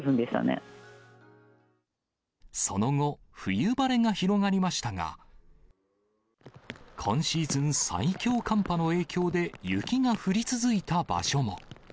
その後、冬晴れが広がりましたが、今シーズン最強寒波の影響で、雪が降り続いた場所も。